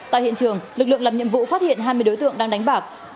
tại hiện trường lực lượng làm nhiệm vụ phát hiện hai mươi đối tượng đang đánh bạc